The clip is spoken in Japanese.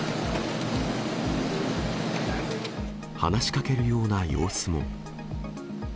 話しかけるような様子も。